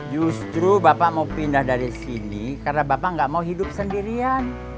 justru bapak mau pindah dari sini karena bapak nggak mau hidup sendirian